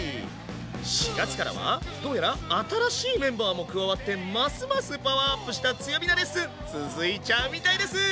４月からはどうやら新しいメンバーも加わってますますパワーアップした強火なレッスン続いちゃうみたいです！